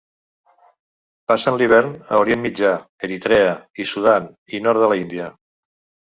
Passen l'hivern a Orient Mitjà, Eritrea i Sudan i nord de l'Índia.